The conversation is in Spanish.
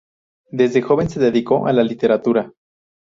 Desde joven se dedicó a la literatura.